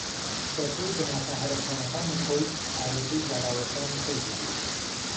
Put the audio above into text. بەپێی بناخە ھەرە كۆنەكانی خۆی ئاوێتەی زاراوەكانی تر ببوو